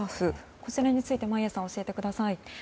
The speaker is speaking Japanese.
こちらについて眞家さん教えてください。